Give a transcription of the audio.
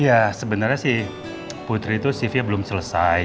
ya sebenarnya sih putri itu shiftnya belum selesai